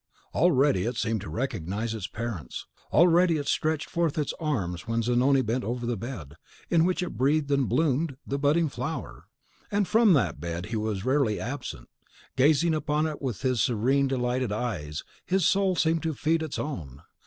Already it seemed to recognise its parents; already it stretched forth its arms when Zanoni bent over the bed, in which it breathed and bloomed, the budding flower! And from that bed he was rarely absent: gazing upon it with his serene, delighted eyes, his soul seemed to feed its own.